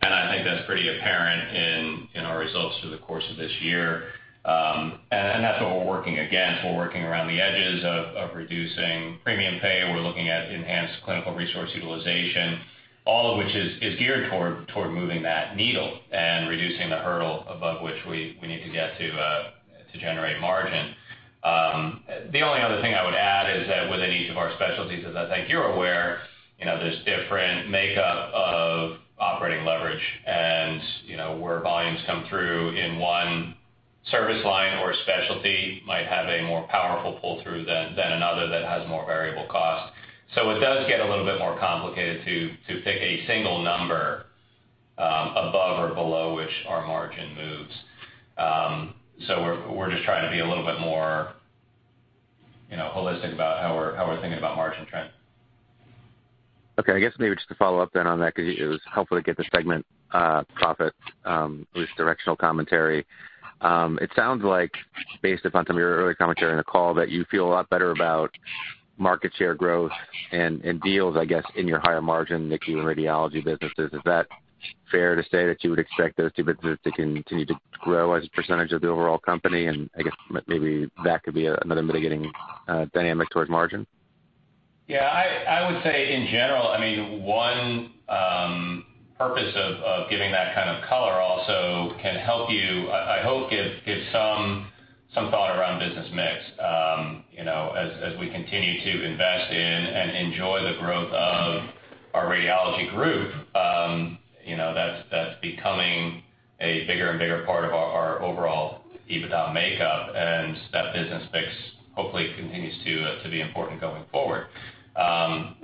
I think that's pretty apparent in our results through the course of this year. That's what we're working, again, we're working around the edges of reducing premium pay. We're looking at enhanced clinical resource utilization. All of which is geared toward moving that needle and reducing the hurdle above which we need to get to generate margin. The only other thing I would add is that within each of our specialties, as I think you're aware, there's different makeup of operating leverage and where volumes come through in one service line or specialty might have a more powerful pull-through than another that has more variable cost. It does get a little bit more complicated to pick a single number, above or below which our margin moves. We're just trying to be a little bit more holistic about how we're thinking about margin trend. Okay. I guess maybe just to follow up then on that, because it was helpful to get the segment profit, at least directional commentary. It sounds like based upon some of your earlier commentary on the call, that you feel a lot better about market share growth and deals, I guess, in your higher margin NICU and radiology businesses. Is that fair to say that you would expect those two businesses to continue to grow as a percentage of the overall company? I guess maybe that could be another mitigating dynamic towards margin? Yeah, I would say in general, one purpose of giving that kind of color also can help you, I hope, give some thought around business mix. As we continue to invest in and enjoy the growth of our radiology group. That's becoming a bigger and bigger part of our overall EBITDA makeup, and that business mix hopefully continues to be important going forward. On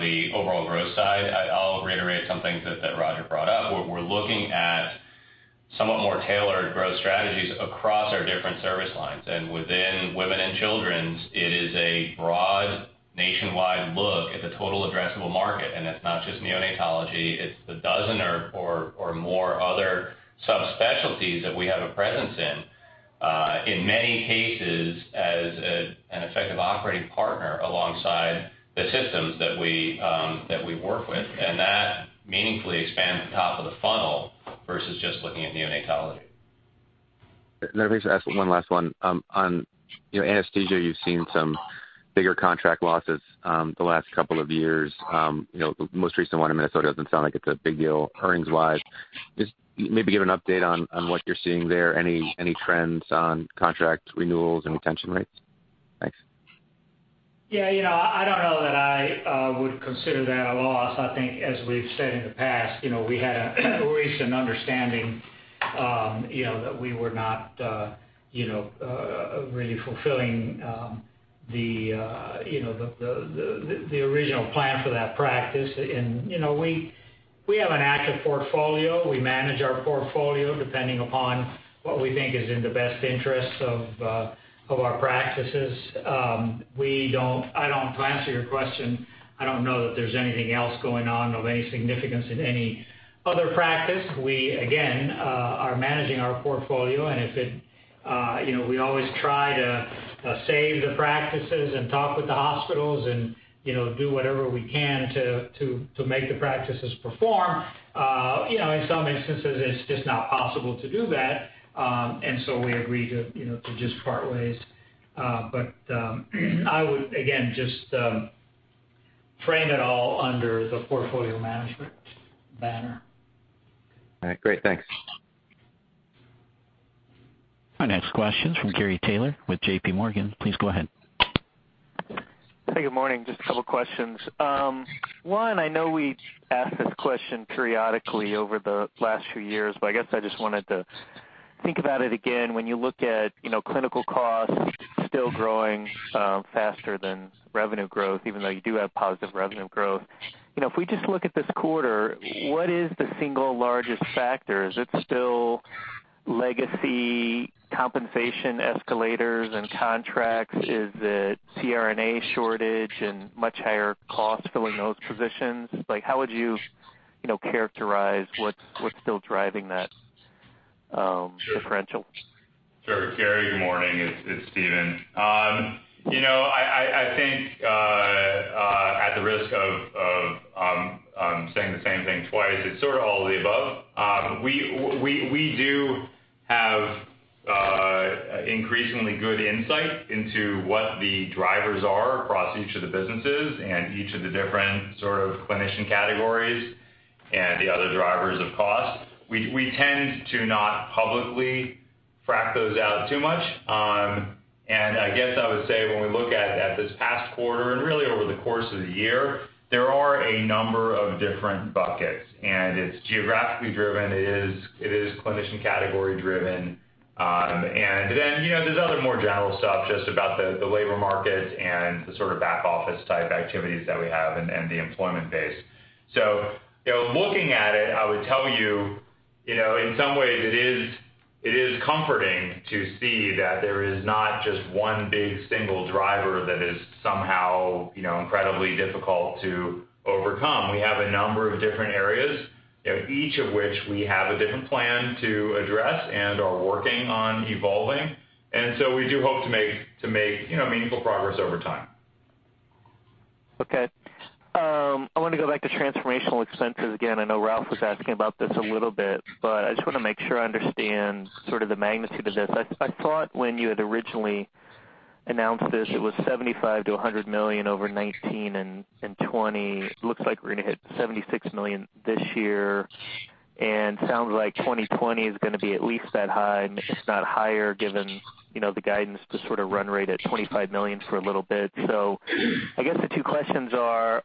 the overall growth side, I'll reiterate something that Roger brought up, where we're looking at somewhat more tailored growth strategies across our different service lines. Within Women & Children's, it is a broad nationwide look at the total addressable market. It's not just neonatology, it's the dozen or more other subspecialties that we have a presence in. In many cases, as an effective operating partner alongside the systems that we work with. That meaningfully expands the top of the funnel versus just looking at neonatology. If I could just ask one last one. On anesthesia, you've seen some bigger contract losses the last couple of years. The most recent one in Minnesota doesn't sound like it's a big deal earnings-wise. Maybe give an update on what you're seeing there. Any trends on contract renewals and retention rates? Thanks. Yeah. I don't know that I would consider that a loss. I think as we've said in the past, we had a recent understanding that we were not really fulfilling the original plan for that practice. We have an active portfolio. We manage our portfolio depending upon what we think is in the best interest of our practices. To answer your question, I don't know that there's anything else going on of any significance in any other practice. We, again, are managing our portfolio, and we always try to save the practices and talk with the hospitals and do whatever we can to make the practices perform. In some instances, it's just not possible to do that. We agree to just part ways. I would, again, just frame it all under the portfolio management banner. All right. Great. Thanks. Our next question is from Gary Taylor with J.P. Morgan. Please go ahead. Hey, good morning. Just a couple of questions. One, I know we ask this question periodically over the last few years, but I guess I just wanted to think about it again, when you look at clinical costs still growing faster than revenue growth, even though you do have positive revenue growth. If we just look at this quarter, what is the single largest factor? Is it still legacy compensation escalators and contracts? Is it CRNA shortage and much higher costs filling those positions? How would you characterize what's still driving that differential? Sure, Gary. Good morning. It's Stephen. I think at the risk of saying the same thing twice, it's sort of all of the above. We do have increasingly good insight into what the drivers are across each of the businesses and each of the different sort of clinician categories and the other drivers of cost. We tend to not publicly break those out too much. I guess I would say when we look at this past quarter and really over the course of the year, there are a number of different buckets, and it's geographically driven, it is clinician category driven. Then, there's other more general stuff just about the labor markets and the sort of back office type activities that we have and the employment base. Looking at it, I would tell you, in some ways it is comforting to see that there is not just one big single driver that is somehow incredibly difficult to overcome. We have a number of different areas, each of which we have a different plan to address and are working on evolving. We do hope to make meaningful progress over time. Okay. I want to go back to transformational expenses again. I know Ralph was asking about this a little bit, but I just want to make sure I understand sort of the magnitude of this. I thought when you had originally announced this, it was $75 million-$100 million over 2019 and 2020. Looks like we're going to hit $76 million this year, and sounds like 2020 is going to be at least that high, if not higher, given the guidance to sort of run rate at $25 million for a little bit. I guess the two questions are,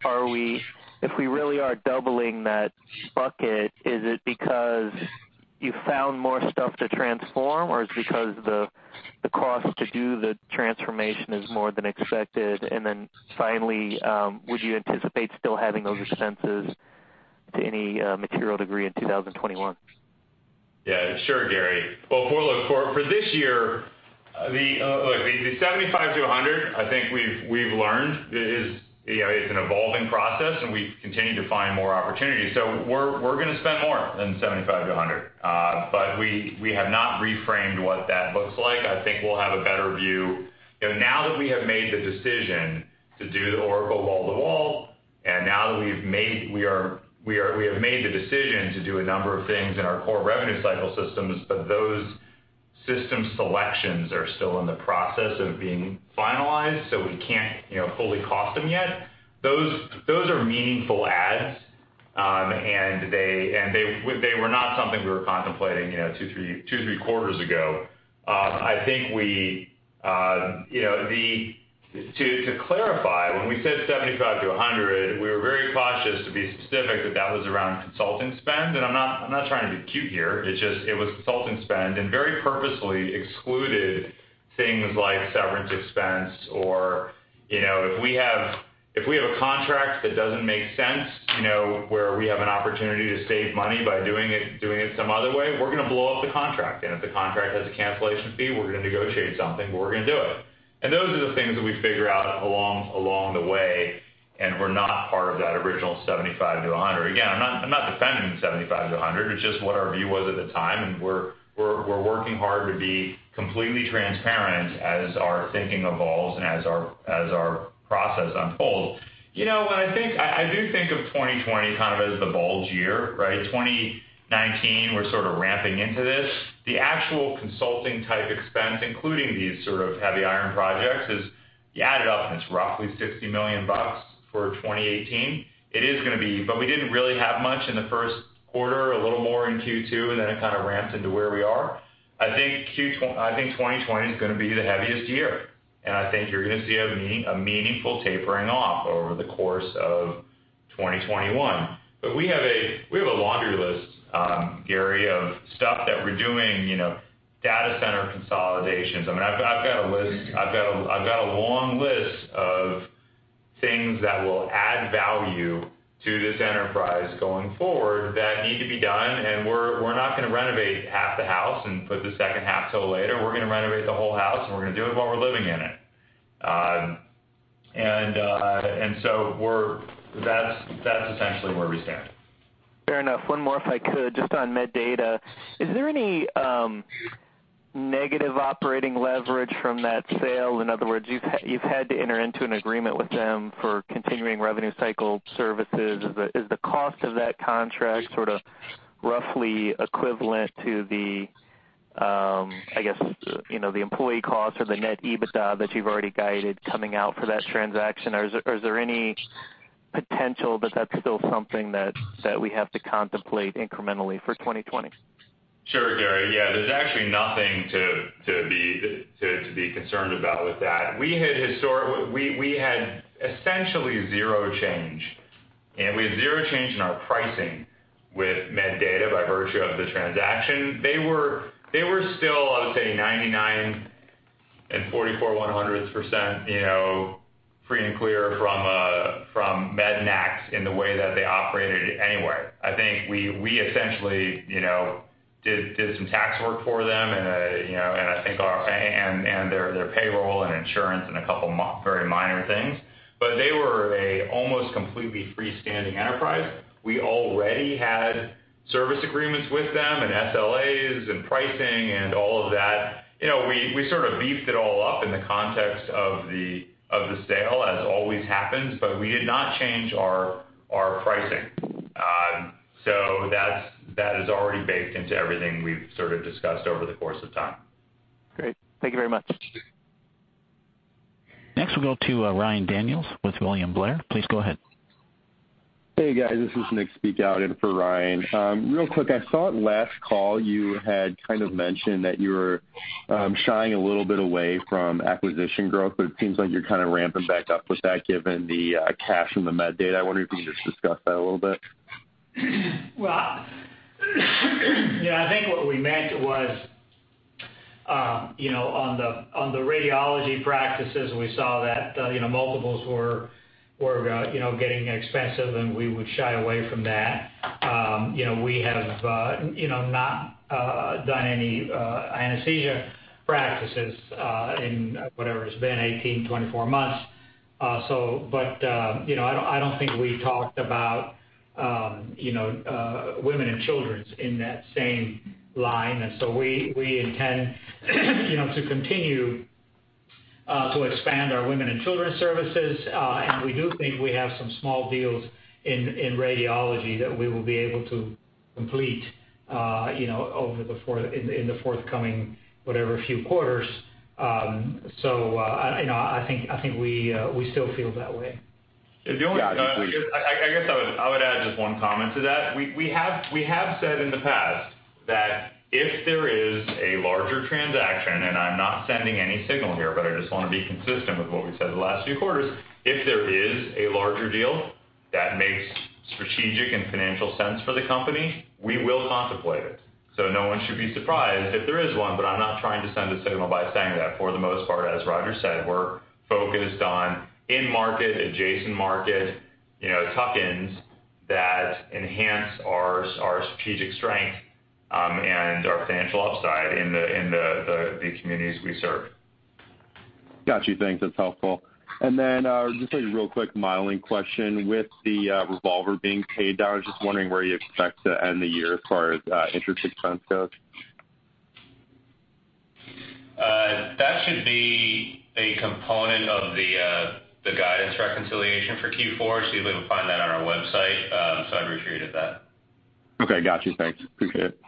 if we really are doubling that bucket, is it because you found more stuff to transform or is it because the cost to do the transformation is more than expected? Then finally, would you anticipate still having those expenses to any material degree in 2021? Sure, Gary. Well, for this year, look, the $75 to $100, I think we've learned is an evolving process and we continue to find more opportunities. We're going to spend more than $75 to $100, but we have not reframed what that looks like. I think we'll have a better view now that we have made the decision to do the Oracle wall-to-wall and now that we have made the decision to do a number of things in our core revenue cycle systems, but those system selections are still in the process of being finalized, so we can't fully cost them yet. Those are meaningful adds. They were not something we were contemplating two, three quarters ago. To clarify, when we said $75 to $100, we were very cautious to be specific that that was around consulting spend. I'm not trying to be cute here, it's just it was consulting spend and very purposefully excluded things like severance expense or if we have a contract that doesn't make sense where we have an opportunity to save money by doing it some other way, we're going to blow up the contract. If the contract has a cancellation fee, we're going to negotiate something, but we're going to do it. Those are the things that we figure out along the way, and were not part of that original $75 to $100. Again, I'm not defending the $75 to $100. It's just what our view was at the time, and we're working hard to be completely transparent as our thinking evolves and as our process unfolds. I do think of 2020 kind of as the bulge year, right? 2019, we're sort of ramping into this. The actual consulting type expense, including these sort of heavy iron projects is, you add it up and it's roughly $60 million for 2018. We didn't really have much in the first quarter, a little more in Q2, it kind of ramped into where we are. I think 2020 is going to be the heaviest year. I think you're going to see a meaningful tapering off over the course of 2021. We have a laundry list, Gary, of stuff that we're doing. Data center consolidations. I've got a long list of things that will add value to this enterprise going forward that need to be done. We're not going to renovate half the house and put the second half till later. We're going to renovate the whole house, and we're going to do it while we're living in it. That's essentially where we stand. Fair enough. One more if I could, just on MedData. Is there any negative operating leverage from that sale? In other words, you've had to enter into an agreement with them for continuing revenue cycle services. Is the cost of that contract sort of roughly equivalent to the employee cost or the net EBITDA that you've already guided coming out for that transaction? Or is there any potential that that's still something that we have to contemplate incrementally for 2020? Sure, Gary. Yeah, there's actually nothing to be concerned about with that. We have essentially zero change in our pricing with MedData by virtue of the transaction. They were still, I would say 99.44%, free and clear from Mednax in the way that they operated anyway. I think we essentially did some tax work for them and their payroll and insurance and a couple very minor things. They were a almost completely freestanding enterprise. We already had service agreements with them and SLAs and pricing and all of that. We sort of beefed it all up in the context of the sale, as always happens, but we did not change our pricing. That is already baked into everything we've sort of discussed over the course of time. Great. Thank you very much. Next, we'll go to Ryan Daniels with William Blair. Please go ahead. Hey, guys. This is Nick speaking out in for Ryan. Real quick, I saw it last call, you had kind of mentioned that you were shying a little bit away from acquisition growth, but it seems like you're kind of ramping back up with that given the cash from the MedData. I wonder if you could just discuss that a little bit. Well, I think what we meant was, on the radiology practices, we saw that multiples were getting expensive and we would shy away from that. We have not done any anesthesia practices in whatever it's been 18, 24 months. I don't think we talked about women and children's in that same line. We intend to continue to expand our women and children services. We do think we have some small deals in radiology that we will be able to complete in the forthcoming, whatever few quarters. I think we still feel that way. I guess I would add just one comment to that. We have said in the past that if there is a larger transaction, and I'm not sending any signal here, but I just want to be consistent with what we've said the last few quarters. If there is a larger deal that makes strategic and financial sense for the company, we will contemplate it. No one should be surprised if there is one, but I'm not trying to send a signal by saying that. For the most part, as Roger said, we're focused on in-market, adjacent market tuck-ins that enhance our strategic strength, and our financial upside in the communities we serve. Got you. Thanks. That's helpful. Just a real quick modeling question. With the revolver being paid down, I was just wondering where you expect to end the year as far as interest expense goes. That should be a component of the guidance reconciliation for Q4. You'll be able to find that on our website. I'd refer you to that. Okay, got you. Thanks. Appreciate it.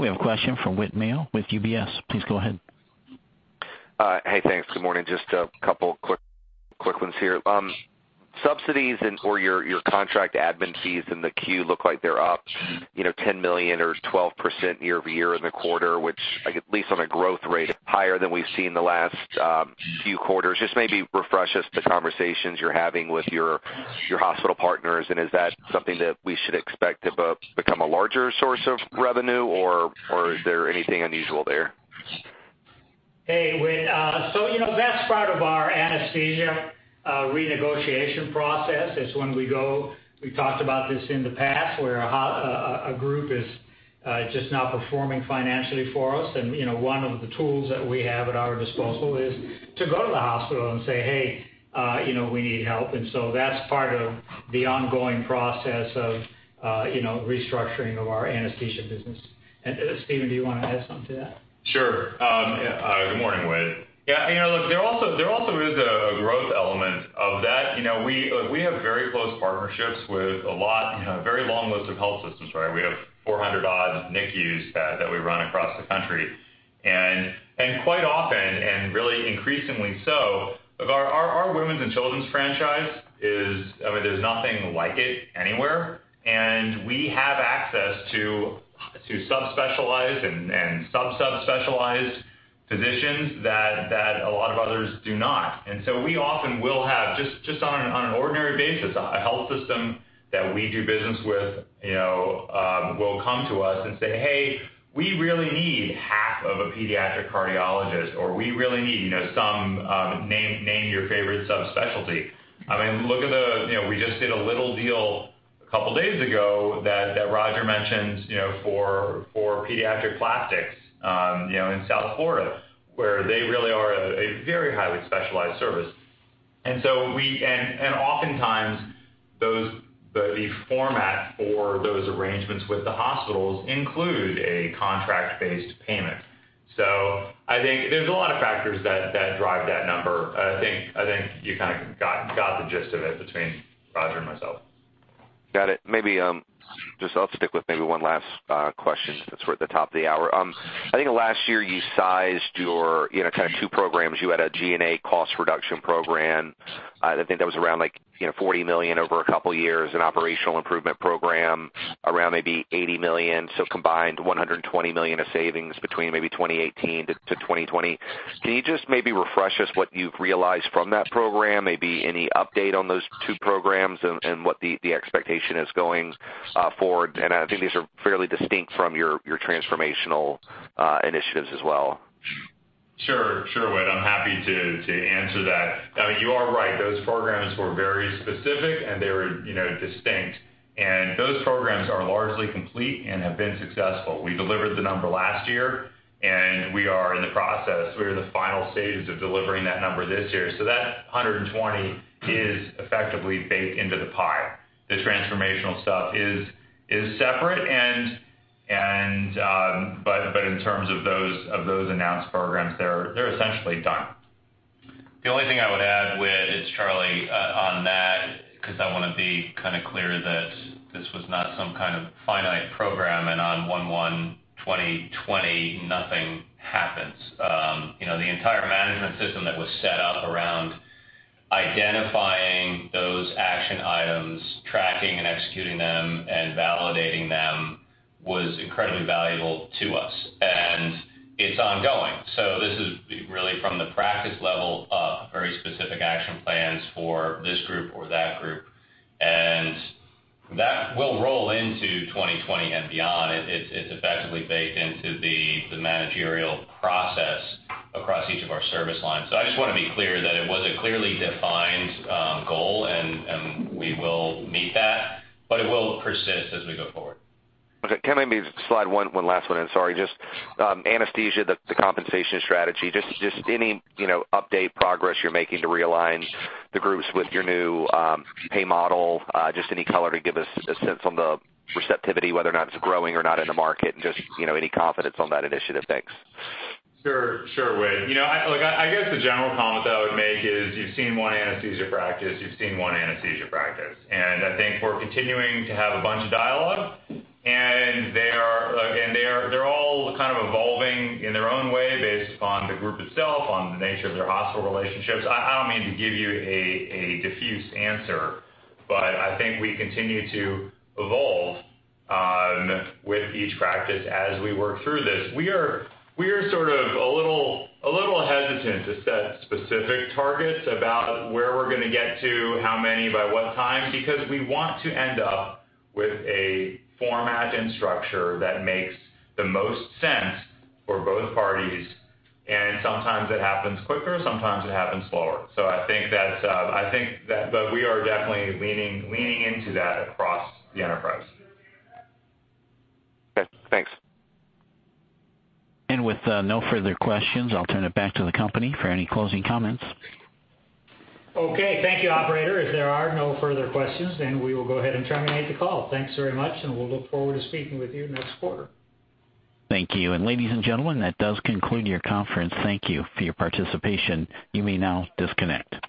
We have a question from Whit Mayo with UBS. Please go ahead. Hey, thanks. Good morning. Just a couple quick ones here. Subsidies or your contract admin fees in the 10-Q look like they're up, $10 million or 12% year-over-year in the quarter, which at least on a growth rate higher than we've seen the last few quarters. Maybe refresh us the conversations you're having with your hospital partners, and is that something that we should expect to become a larger source of revenue, or is there anything unusual there? Hey, Whit. That's part of our anesthesia renegotiation process. We talked about this in the past, where a group is just not performing financially for us. One of the tools that we have at our disposal is to go to the hospital and say, "Hey, we need help." That's part of the ongoing process of restructuring of our anesthesia business. Stephen, do you want to add something to that? Sure. Good morning, Whit. Yeah, look, there also is a growth element of that. We have very close partnerships with a very long list of health systems, right? We have 400 odd NICUs that we run across the country. Quite often, and really increasingly so, our women's and children's franchise is, I mean, there's nothing like it anywhere. We have access to sub-specialized and sub-sub-specialized physicians that a lot of others do not. We often will have, just on an ordinary basis, a health system that we do business with will come to us and say, "Hey, we really need half of a pediatric cardiologist," or "We really need some" Name your favorite subspecialty. I mean, we just did a little deal a couple days ago that Roger mentioned for pediatric plastics, in South Florida, where they really are a very highly specialized service. Oftentimes the format for those arrangements with the hospitals include a contract based payment. I think there's a lot of factors that drive that number. I think you got the gist of it between Roger and myself. Got it. Maybe I'll just stick with maybe one last question since we're at the top of the hour. I think last year you sized your two programs. You had a G&A cost reduction program. I think that was around $40 million over a couple of years, an operational improvement program around maybe $80 million. Combined $120 million of savings between maybe 2018 to 2020. Can you just maybe refresh us what you've realized from that program, maybe any update on those two programs and what the expectation is going forward? I think these are fairly distinct from your transformational initiatives as well. Sure, Whit. I'm happy to answer that. You are right. Those programs were very specific, and they were distinct, and those programs are largely complete and have been successful. We delivered the number last year, and we are in the process. We are in the final stages of delivering that number this year. That 120 is effectively baked into the pie. The transformational stuff is separate. In terms of those announced programs, they're essentially done. The only thing I would add, Whit, is, Charles, on that, because I want to be clear that this was not some kind of finite program, and on 1/1/2020, nothing happens. The entire management system that was set up around identifying those action items, tracking and executing them, and validating them was incredibly valuable to us, and it's ongoing. This is really from the practice level up, very specific action plans for this group or that group, and that will roll into 2020 and beyond. It's effectively baked into the managerial process across each of our service lines. I just want to be clear that it was a clearly defined goal, and we will meet that, but it will persist as we go forward. Can I maybe slide one last one in? Sorry. Just anesthesia, the compensation strategy, just any update, progress you're making to realign the groups with your new pay model? Just any color to give us a sense on the receptivity, whether or not it's growing or not in the market, and just any confidence on that initiative. Thanks. Sure, Whit. I guess the general comment that I would make is you've seen one anesthesia practice, you've seen one anesthesia practice. I think we're continuing to have a bunch of dialogue. They're all kind of evolving in their own way based upon the group itself, on the nature of their hospital relationships. I don't mean to give you a diffuse answer, but I think we continue to evolve with each practice as we work through this. We are sort of a little hesitant to set specific targets about where we're going to get to, how many, by what time, because we want to end up with a format and structure that makes the most sense for both parties, and sometimes it happens quicker, sometimes it happens slower. We are definitely leaning into that across the enterprise. Okay, thanks. With no further questions, I'll turn it back to the company for any closing comments. Okay. Thank you, operator. If there are no further questions, then we will go ahead and terminate the call. Thanks very much, and we'll look forward to speaking with you next quarter. Thank you. Ladies and gentlemen, that does conclude your conference. Thank you for your participation. You may now disconnect.